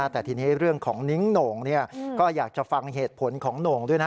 แต่ทีนี้เรื่องของนิ้งโหน่งก็อยากจะฟังเหตุผลของโหน่งด้วยนะ